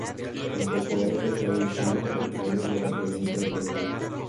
Se incorporó a la Tercera División de Ferrocarriles de la provincia de Segovia.